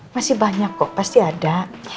masih banyak kok pasti ada